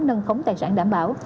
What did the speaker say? nâng khống tài sản đảm bảo